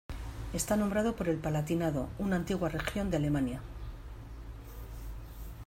Está nombrado por el Palatinado, una antigua región de Alemania.